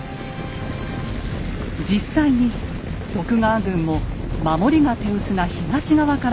実際に徳川軍も守りが手薄な東側から攻め込みます。